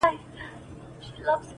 څوك وتلى په شل ځله تر تلك دئ،